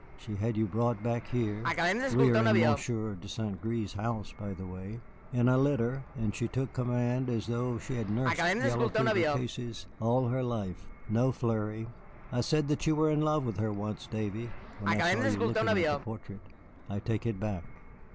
She had you brought back here we are in Monsieur de St. Gré's house, by the way in a litter, and she took command as though she had nursed yellow fever cases all her life. No flurry. I said that you were in love with her once, Davy, when I saw you looking at the portrait. I take it back.